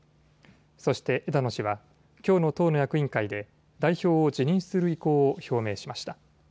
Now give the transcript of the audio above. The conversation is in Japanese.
そして枝野氏は、きょうの党の役員会で代表を辞任する意向を表明しました。